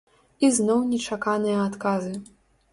І зноў нечаканыя адказы!